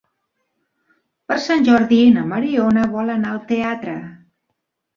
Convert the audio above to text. Per Sant Jordi na Mariona vol anar al teatre.